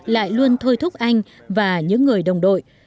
lại luôn thôi thúc anh và những người đồng đội